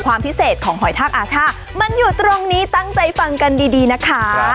ความพิเศษของหอยทากอาช่ามันอยู่ตรงนี้ตั้งใจฟังกันดีดีนะคะ